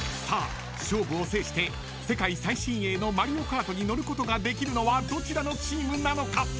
［さあ勝負を制して世界最新鋭のマリオカートに乗ることができるのはどちらのチームなのか？］